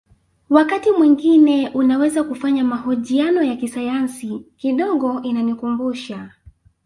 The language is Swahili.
Wakati mwingine unaweza kufanya mahojiano ya kisayansi kidogo inanikumbusha